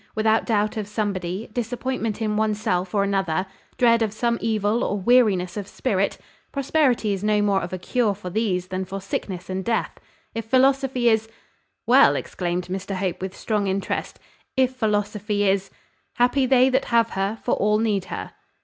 without doubt of somebody, disappointment in oneself or another, dread of some evil, or weariness of spirit? Prosperity is no more of a cure for these than for sickness and death. If philosophy is " "Well!" exclaimed Mr Hope, with strong interest, "if philosophy is " "Happy they that have her, for all need her."